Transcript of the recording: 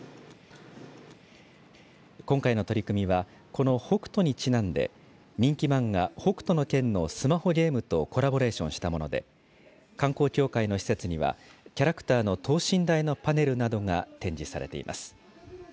今回の取り組みはこの北斗にちなんで人気漫画、北斗の拳のスマホゲームとコラボレーションしたもので観光協会の施設にはキャラクターの等身大のパネルなどが展示されています。